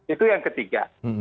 itu yang ketiga